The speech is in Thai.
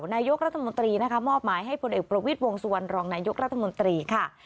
นายกรัฐมนตรีนะคะมอบหมายให้พลเอกประวิทย์วงสุวรรณรองนายกรัฐมนตรีค่ะ